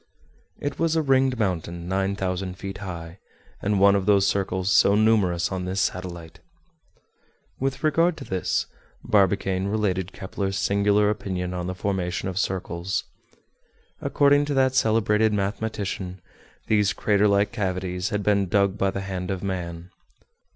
It was a ringed mountain nine thousand feet high, and one of those circles so numerous on this satellite. With regard to this, Barbicane related Kepler's singular opinion on the formation of circles. According to that celebrated mathematician, these crater like cavities had been dug by the hand of man.